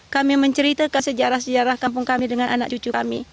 kami menceritakan sejarah sejarah kampung kami dengan anak cucu kami